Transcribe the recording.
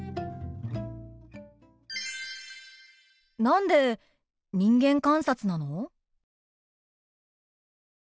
何で人間観察なの？